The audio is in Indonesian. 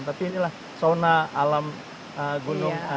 tapi inilah sona alam gunung